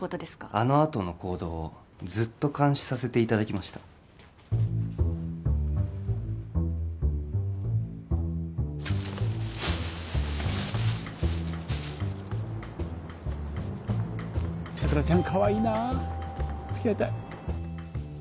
あのあとの行動をずっと監視させていただきました桜ちゃんかわいいなあ付き合いたい